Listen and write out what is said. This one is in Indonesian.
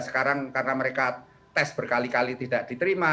sekarang karena mereka tes berkali kali tidak diterima